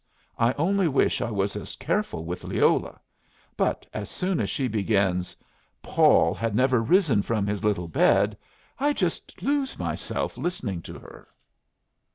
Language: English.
I only wish I was as careful with Leola. But as soon as she begins 'Paul had never risen from his little bed,' I just lose myself listening to her."